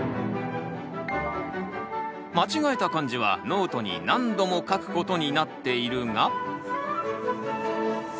間違えた漢字はノートに何度も書くことになっているが。